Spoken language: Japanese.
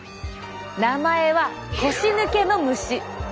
名前は腰抜の虫。